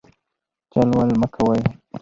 چل ول مه کوئ.